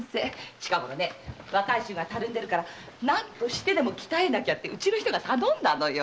近ごろ若い衆がたるんでるから何としてでも鍛えなきゃってうちの人が頼んだのよ。